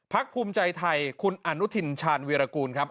ภูมิใจไทยคุณอนุทินชาญวีรกูลครับ